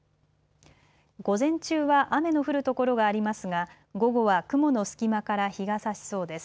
午前中は雨の降る所がありますが、午後は雲の隙間から日がさしそうです。